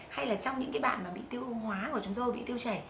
hay là trong những cái bạn mà bị tiêu hóa của chúng tôi bị tiêu trẻ